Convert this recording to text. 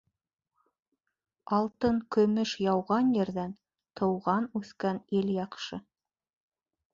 Алтын-көмөш яуған ерҙән тыуған-үҫкән ил яҡшы.